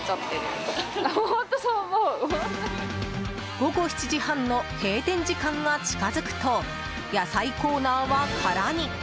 午後７時半の閉店時間が近づくと野菜コーナーは空に。